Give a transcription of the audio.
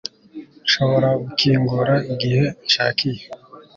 nshobora gukingura igihe nshakiye